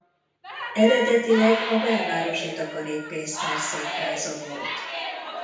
Eredetileg a Belvárosi Takarékpénztár székháza volt.